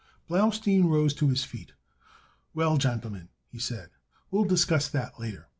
Blaustein rose to his feet. "Well, gentlemen," he said, "we'll discuss that later.